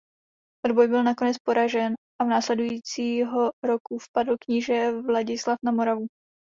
Odboj byl nakonec poražen a následujícího roku vpadl kníže Vladislav na Moravu.